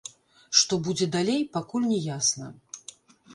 Што будзе далей, пакуль не ясна.